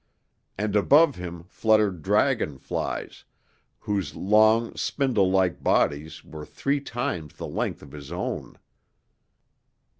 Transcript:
And above him fluttered dragonflies, whose long, spindle like bodies were three times the length of his own.